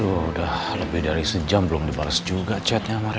udah lebih dari sejam belum dibalas juga chatnya